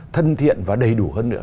thân thiện và đầy đủ hơn nữa